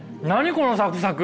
このサクサク。